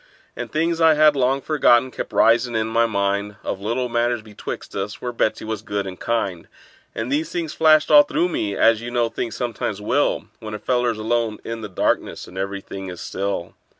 And things I had long forgotten kept risin' in my mind, Of little matters betwixt us, where Betsey was good and kind; And these things flashed all through me, as you know things sometimes will When a feller's alone in the darkness, and every thing is still.